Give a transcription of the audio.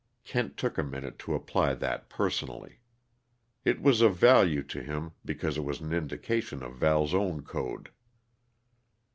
Kent took a minute to apply that personally. It was of value to him, because it was an indication of Val's own code.